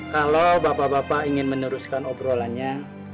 kalau bapak bapak ingin meneruskan obrolannya